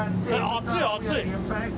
熱い、熱い。